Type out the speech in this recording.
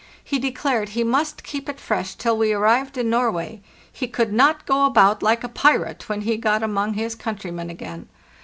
He declared he must keep it fresh till we arrived in Norway; he could not go about like a pirate when he got among his countrymen again.